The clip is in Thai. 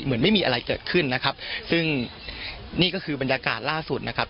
เหมือนไม่มีอะไรเกิดขึ้นนะครับซึ่งนี่ก็คือบรรยากาศล่าสุดนะครับ